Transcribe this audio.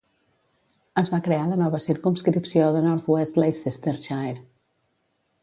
Es va crear la nova circumscripció de North West Leicestershire.